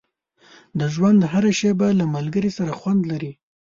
• د ژوند هره شېبه له ملګري سره خوند لري.